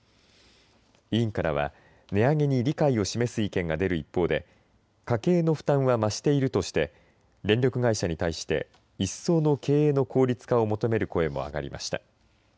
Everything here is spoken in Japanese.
委員からは値上げに理解を示す意見が出る一方で家計の負担は増しているとして電力会社に対して一層の経営の効率化を求める声も上がりました。